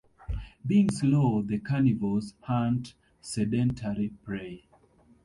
Being slow, the carnivores hunt sedentary prey.